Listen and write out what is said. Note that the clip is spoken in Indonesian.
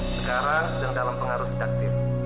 sekarang sedang dalam pengaruh sedaktif